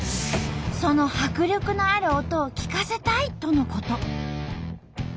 その迫力のある音を聞かせたいとのこと。